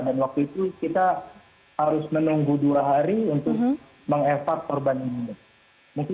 dan waktu itu kita harus menunggu dua hari untuk mengevakuasi korban ini